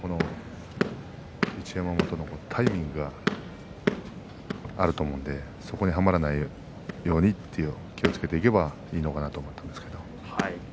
一山本のタイミングがあると思うのでそこにはまらないように気をつけていけばいいのかなと思ってますけれども。